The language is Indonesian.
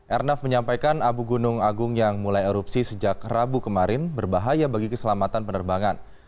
airnav menyampaikan abu gunung agung yang mulai erupsi sejak rabu kemarin berbahaya bagi keselamatan penerbangan